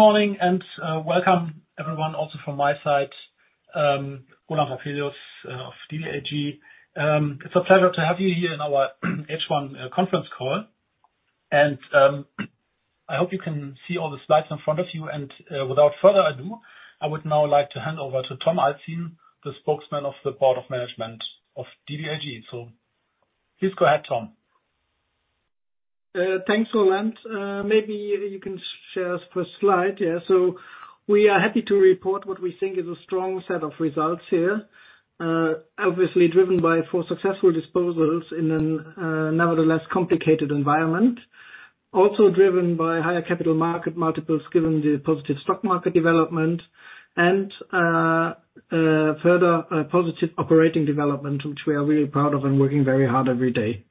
Morning. Welcome everyone also from my side. Roland Rapelius of DBAG. It's a pleasure to have you here in our H1 conference call. I hope you can see all the slides in front of you. Without further ado, I would now like to hand over to Tom Alzin, the Spokesman of the Board of Management of DBAG. Please go ahead, Tom. Thanks, Roland. Maybe you can share us first slide. Yeah. We are happy to report what we think is a strong set of results here. Obviously driven by 4 successful disposals in an nevertheless complicated environment. Also driven by higher capital market multiples given the positive stock market development and further positive operating development, which we are really proud of and working very hard every day.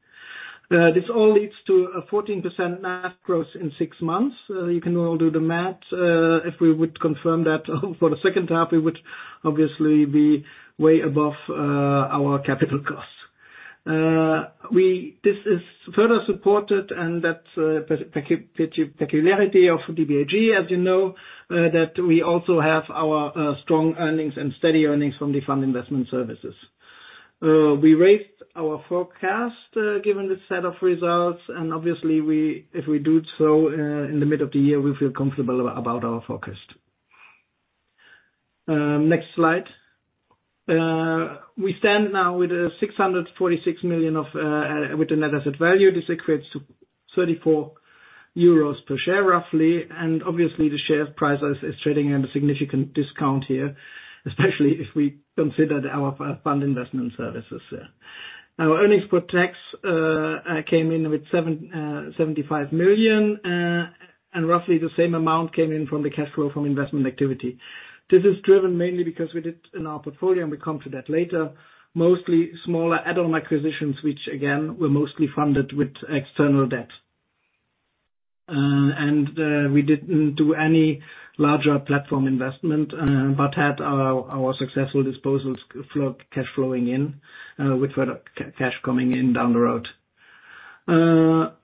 This all leads to a 14% NAV growth in 6 months. You can all do the math. If we would confirm that for the second half, we would obviously be way above our capital costs. This is further supported, and that's a peculiarity of DBAG, as you know, that we also have our strong earnings and steady earnings from the Fund Investment Services. We raised our forecast, given the set of results. Obviously, if we do so in the middle of the year, we feel comfortable about our forecast. Next slide. We stand now with a 646 million of with the net asset value. This equates to 34 euros per share, roughly. Obviously, the share price is trading at a significant discount here, especially if we consider our Fund Investment Services. Our EBT came in with 75 million. Roughly the same amount came in from the cash flow from investment activity. This is driven mainly because we did in our portfolio. We come to that later. Mostly smaller add-on acquisitions, which again, were mostly funded with external debt. We didn't do any larger platform investment, but had our successful disposals cash flowing in with further cash coming in down the road.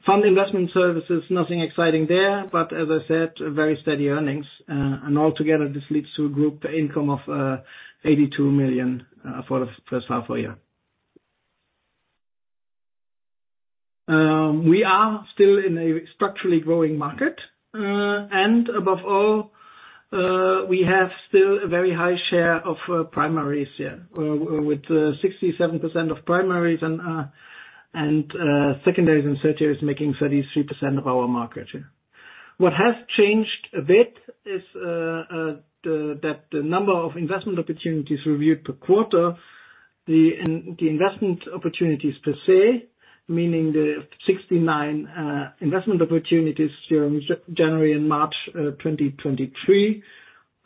Fund Investment Services, nothing exciting there, but as I said, very steady earnings. Altogether, this leads to a group income of 82 million for the first half of the year. We are still in a structurally growing market. Above all, we have still a very high share of primaries here with 67% of primaries and secondaries and tertiaries making 33% of our market share. What has changed a bit is that the number of investment opportunities reviewed per quarter, the investment opportunities per se, meaning the 69 investment opportunities during January and March 2023,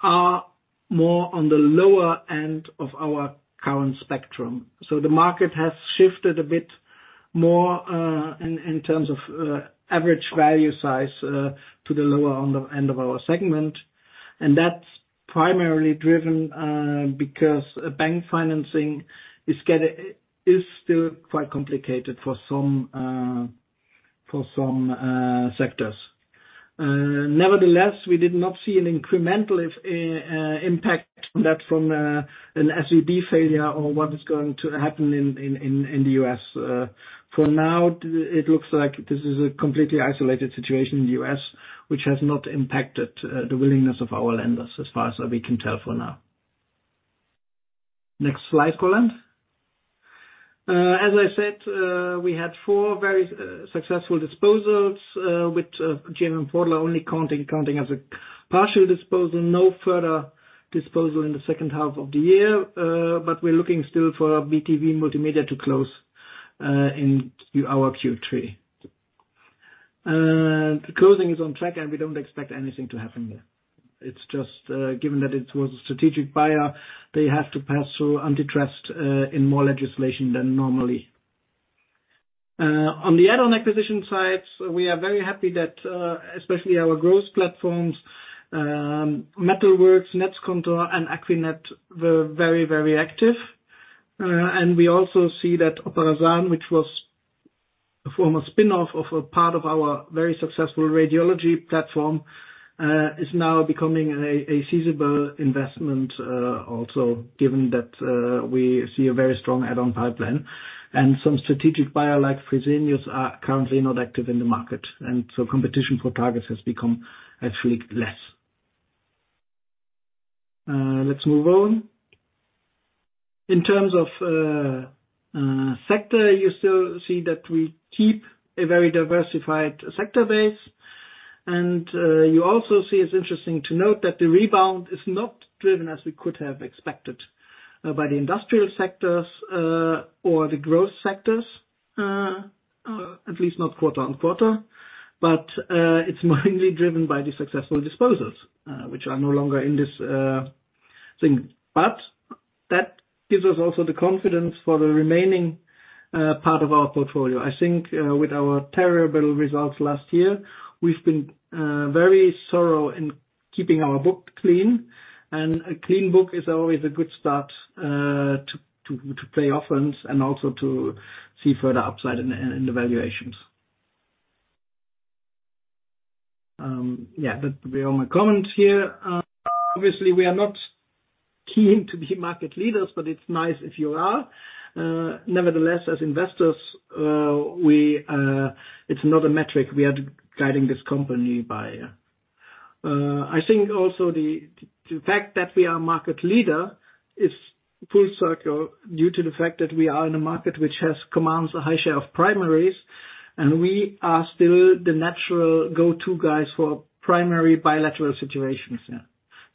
are more on the lower end of our current spectrum. The market has shifted a bit more in terms of average value size to the lower on the end of our segment. That's primarily driven because bank financing is still quite complicated for some for some sectors. Nevertheless, we did not see an incremental impact on that from an SVB failure or what is going to happen in the U.S. For now, it looks like this is a completely isolated situation in the U.S., which has not impacted the willingness of our lenders as far as we can tell for now. Next slide, Roland. As I said, we had 4 very successful disposals with Gienanth only counting as a partial disposal. No further disposal in the second half of the year, but we're looking still for our BTV Multimedia to close in our Q3. The closing is on track. We don't expect anything to happen there. It's just, given that it was a strategic buyer, they have to pass through antitrust in more legislation than normally. On the add-on acquisition side, we are very happy that especially our growth platforms, Metalworks, Netzkontor and akquinet were very active. We also see that operasan, which was a former spin-off of a part of our very successful radiology platform, is now becoming a feasible investment, also given that we see a very strong add-on pipeline. Some strategic buyer like Fresenius are currently not active in the market, competition for targets has become actually less. Let's move on. In terms of sector, you still see that we keep a very diversified sector base. You also see it's interesting to note that the rebound is not driven as we could have expected by the industrial sectors, or the growth sectors, at least not quarter on quarter. It's mainly driven by the successful disposals, which are no longer in this thing. That gives us also the confidence for the remaining part of our portfolio. I think, with our terrible results last year, we've been very thorough in keeping our book clean. A clean book is always a good start to play offense and also to see further upside in the valuations. Yeah, that will be all my comments here. Obviously, we are not keen to be market leaders, but it's nice if you are. Nevertheless, as investors, we, it's not a metric we are guiding this company by. I think also the fact that we are a market leader is full circle due to the fact that we are in a market which has commands a high share of primaries, and we are still the natural go-to guys for primary bilateral situations, yeah.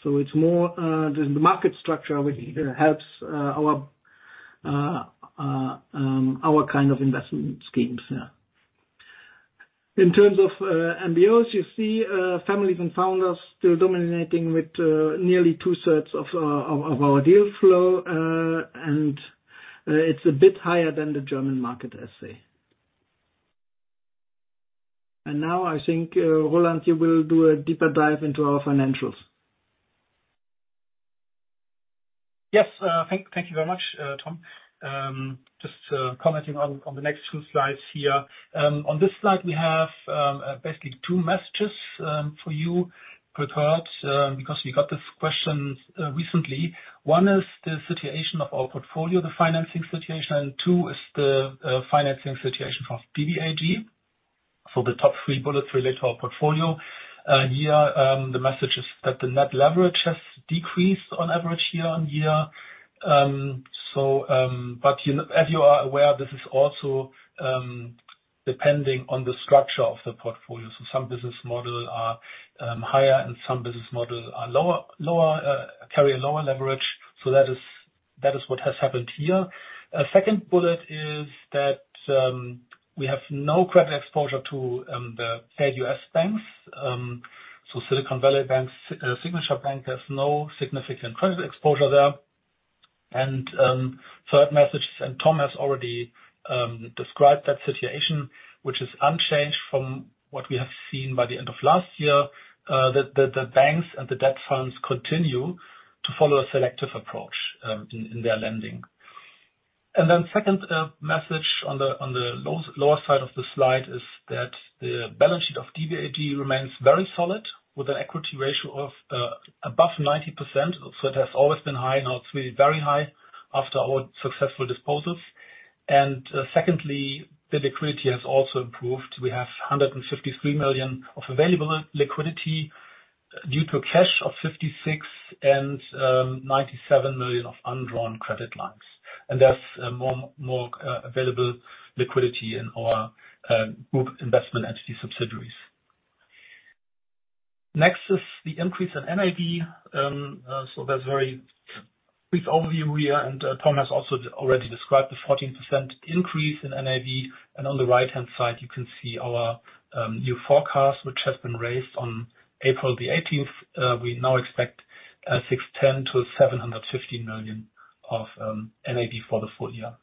It's more the market structure which helps our kind of investment schemes, yeah. In terms of MBOs, you see families and founders still dominating with nearly 2/3 of our deal flow. It's a bit higher than the German market, I'd say. I think Roland, you will do a deeper dive into our financials. Yes. Thank you very much, Tom. Just commenting on the next 2 slides here. On this slide, we have basically 2 messages for you prepared because we got this question recently. 1 is the situation of our portfolio, the financing situation, and 2 is the financing situation for DBAG. The top 3 bullets relate to our portfolio. Here, the message is that the net leverage has decreased on average year-on-year. You know, as you are aware, this is also depending on the structure of the portfolio. Some business model are higher and some business model are lower, carry a lower leverage. That is what has happened here. Second bullet is that we have no credit exposure to the failed U.S. banks. Silicon Valley Bank, Signature Bank, there's no significant credit exposure there. Third message, Tom has already described that situation, which is unchanged from what we have seen by the end of last year, that the banks and the debt funds continue to follow a selective approach in their lending. Second message on the lower side of the slide is that the balance sheet of DBAG remains very solid with an equity ratio of above 90%. It has always been high, now it's really very high after our successful disposals. Secondly, the liquidity has also improved. We have 153 million of available liquidity due to cash of 56 and 97 million of undrawn credit lines. There's more available liquidity in our group investment entity subsidiaries. Next is the increase in NAV. That's very brief overview here. Tom has also already described the 14% increase in NAV. On the right-hand side, you can see our new forecast, which has been raised on April 18th. We now expect 610 million-750 million of NAV for the full year.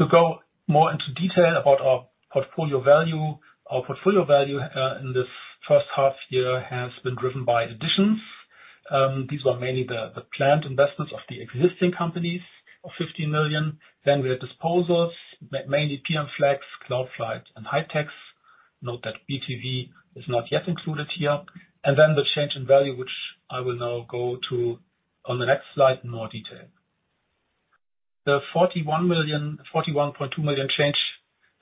To go more into detail about our portfolio value. Our portfolio value in this first half year has been driven by additions. These were mainly the planned investments of the existing companies of 50 million. We have disposals, mainly Pmflex, Cloudflight and Heytex. Note that BTV is not yet included here. The change in value, which I will now go to on the next slide in more detail. The 41.2 million change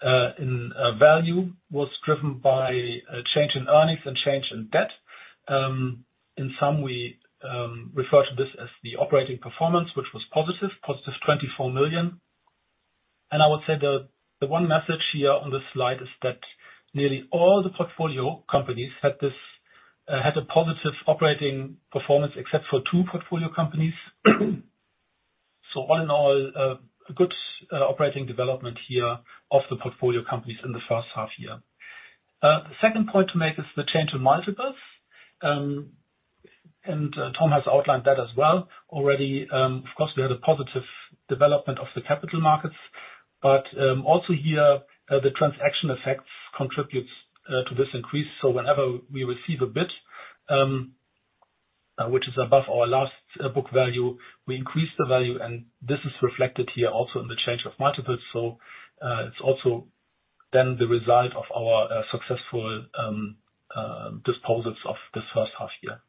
in value was driven by a change in earnings and change in debt. In sum, we refer to this as the operating performance, which was positive 24 million. I would say the one message here on this slide is that nearly all the portfolio companies had a positive operating performance except for 2 portfolio companies. All in all, a good operating development here of the portfolio companies in the first half year. The second point to make is the change in multiples. Tom has outlined that as well already. Of course, we had a positive development of the capital markets, but also here, the transaction effects contributes to this increase. Whenever we receive a bid, which is above our last book value, we increase the value, and this is reflected here also in the change of multiples. It's also then the result of our successful disposals of the first half year.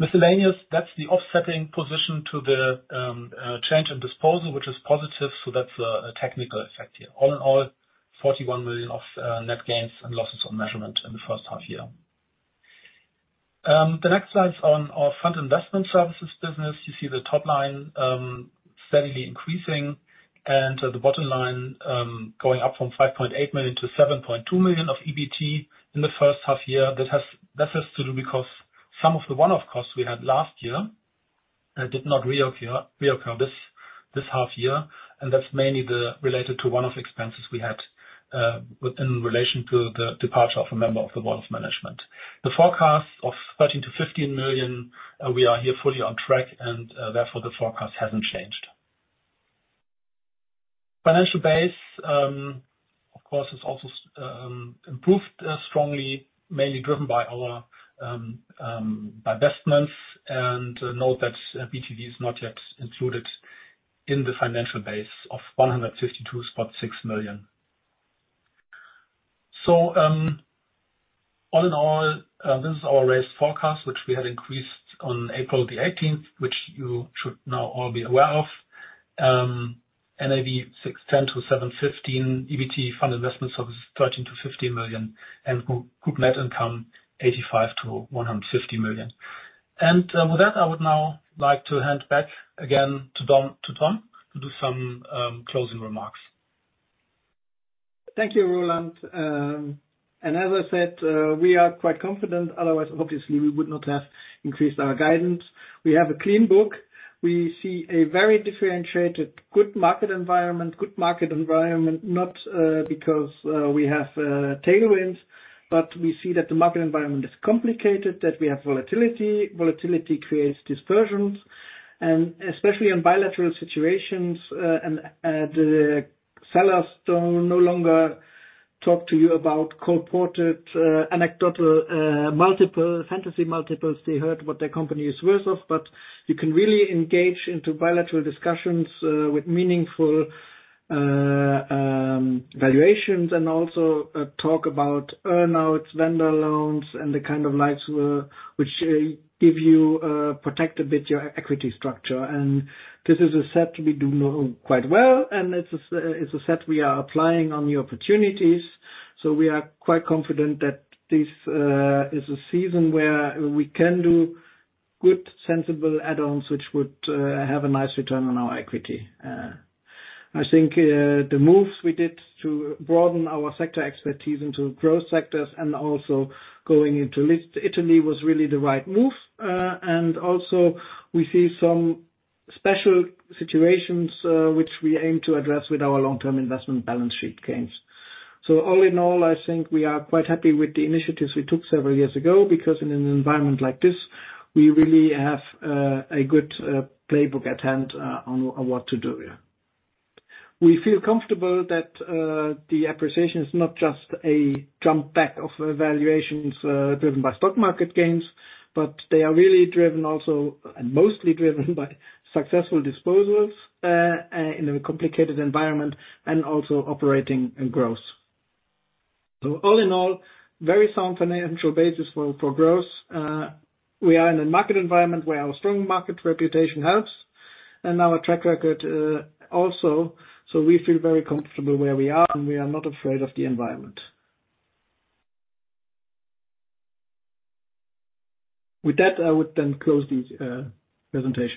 Miscellaneous, that's the offsetting position to the change in disposal, which is positive, so that's a technical effect here. All in all, 41 million of net gains and losses on measurement in the first half year. The next slide's on our Fund Investment Services business. You see the top line steadily increasing and the bottom line going up from 5.8 million-7.2 million of EBT in the first half year. That has to do because some of the one-off costs we had last year did not reoccur this half year. That's mainly related to one-off expenses we had within relation to the departure of a member of the board of management. The forecast of 13 million-15 million, we are here fully on track and therefore, the forecast hasn't changed. Financial base, of course, has also improved strongly, mainly driven by our divestments. Note that BTV is not yet included in the financial base of 152.6 million. All in all, this is our raised forecast, which we had increased on April 18th, which you should now all be aware of. NAV 610-715. EBT fund investments of 13 million-15 million, group net income 85 million-150 million. With that, I would now like to hand back again to Tom to do some closing remarks. Thank you, Roland. As I said, we are quite confident, otherwise, obviously, we would not have increased our guidance. We have a clean book. We see a very differentiated, good market environment. Good market environment, not because we have tailwinds, but we see that the market environment is complicated, that we have volatility. Volatility creates dispersions, and especially in bilateral situations, and the sellers don't no longer talk to you about purported, anecdotal, fantasy multiples they heard what their company is worth of. You can really engage into bilateral discussions with meaningful valuations and also talk about earn-outs, vendor loans, and the kind of lights which give you protect a bit your equity structure. This is a set we do know quite well, it's a set we are applying on new opportunities. We are quite confident that this is a season where we can do good, sensible add-ons, which would have a nice return on our equity. I think the moves we did to broaden our sector expertise into growth sectors and also going into Italy was really the right move. Also we see some special situations, which we aim to address with our long-term investment balance sheet gains. All in all, I think we are quite happy with the initiatives we took several years ago, because in an environment like this, we really have a good playbook at hand on what to do. We feel comfortable that the appreciation is not just a jump back of valuations driven by stock market gains, but they are really driven also, and mostly driven by successful disposals in a complicated environment and also operating and growth. All in all, very sound financial basis for growth. We are in a market environment where our strong market reputation helps and our track record also. We feel very comfortable where we are, and we are not afraid of the environment. With that, I would then close the presentation.